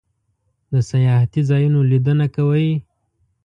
د سیاحتی ځایونو لیدنه کوئ؟